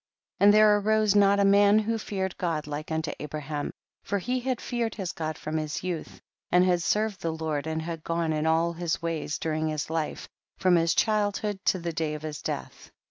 34. And theie arose not a man THE BOOK OF JASHER. 77 who feared God like unto Abraham, for he had feared his God from his youth, and had served the Lord, and had gone in all his ways during his life, from his childhood to the day of his death.